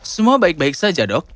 semua baik baik saja dok